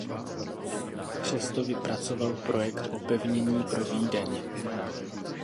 Přesto vypracoval projekt opevnění pro Vídeň.